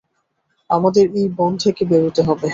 আমাদের এই বন থেকে বেরোতে হবে।